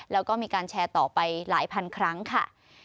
แล้วก็มีการแชร์ต่อไปหลายพันครั้งค่ะ